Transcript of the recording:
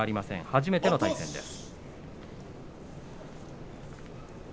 初めての対戦です。